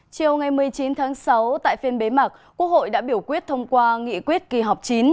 chiều ngày một mươi chín tháng sáu tại phiên bế mạc quốc hội đã biểu quyết thông qua nghị quyết kỳ họp chín